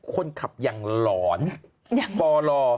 คนขับอย่างหลอนฟอร์หล่อ